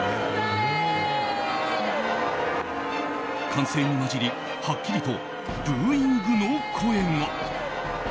歓声に混じりはっきりとブーイングの声が。